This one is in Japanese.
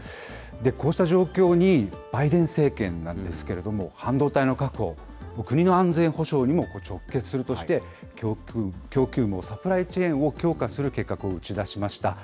こうした状況に、バイデン政権なんですけれども、半導体の確保、国の安全保障にも直結するとして、供給網・サプライチェーンを強化する計画を打ち出しました。